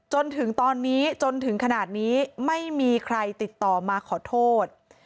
จนถึงตอนนี้จนถึงขนาดนี้ไม่มีใครติดต่อมาขอโทษ